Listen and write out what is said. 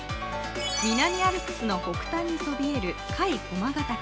南アルプスの北端にそびえる甲斐駒ヶ岳。